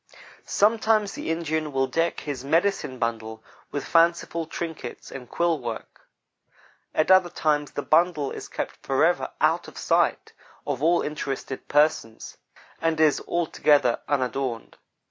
Sometimes the Indian will deck his "medicine bundle" with fanciful trinkets and quill work At other times the "bundle" is kept forever out of the sight of all uninterested persons, and is altogether unadorned.